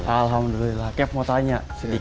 alhamdulillah kev mau tanya